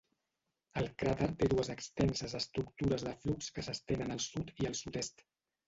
El cràter té dues extenses estructures de flux que s'estenen al sud i al sud-est.